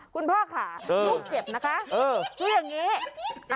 คุณพ่อขาลูกเจ็บนะคะดูอย่างนี้